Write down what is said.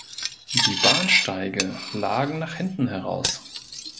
Die Bahnsteige lagen nach hinten heraus.